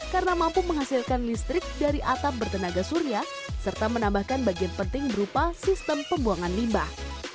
karena mampu menghasilkan listrik dari atap bertenaga surya serta menambahkan bagian penting berupa sistem pembuangan limbah